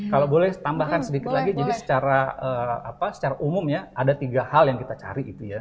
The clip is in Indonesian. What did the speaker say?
kalau boleh tambahkan sedikit lagi jadi secara umumnya ada tiga hal yang kita cari